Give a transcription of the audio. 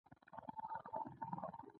دا د تدریجي مرګ یوه سزا وه.